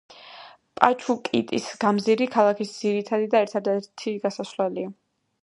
პაჩაკუტის გამზირი ქალაქის ძირითადი და ერთადერთი გასასვლელია.